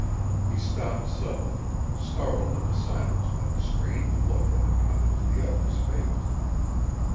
He stopped suddenly, startled into silence by the strange look that had come into the other's face.